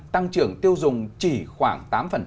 tăng trưởng tiêu dùng chỉ khoảng tám